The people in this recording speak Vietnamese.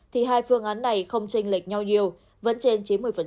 thì hai phương án này không tranh lệch nhau nhiều vẫn trên chín mươi